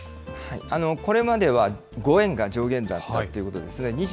これまでは５円が上限だったということですね。